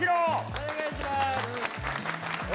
お願いします！